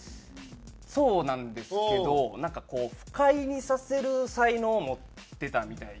そうなんですけどなんかこう不快にさせる才能を持ってたみたいで。